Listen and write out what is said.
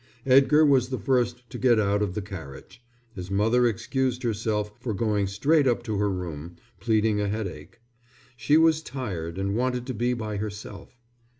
Edgar was the first to get out of the carriage. His mother excused herself for going straight up to her room, pleading a headache. She was tired and wanted to be by herself.